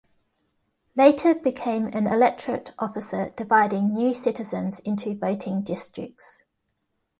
Later became an electorate officer dividing new citizens into voting districts.